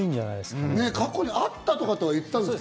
過去にあったとは言ってたんですか？